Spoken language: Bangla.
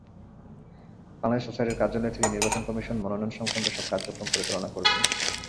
বাংলাদেশ সোসাইটির কার্যালয় থেকে নির্বাচন কমিশন মনোনয়ন সংক্রান্ত সব কার্যক্রম পরিচালনা করবেন।